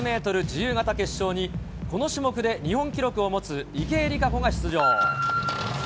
自由形決勝に、この種目で日本記録を持つ池江璃花子が出場。